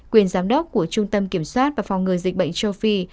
quyền giám đốc của trung tâm kiểm soát và phòng ngừa dịch bệnh châu phi